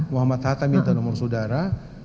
muhammad hatta minta nomor saudara